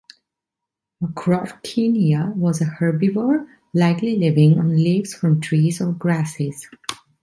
"Macrauchenia" was a herbivore, likely living on leaves from trees or grasses.